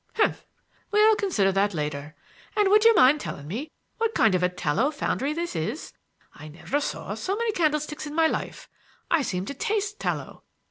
"Humph! we'll consider that later. And would you mind telling me what kind of a tallow foundry this is? I never saw so many candlesticks in my life. I seem to taste tallow.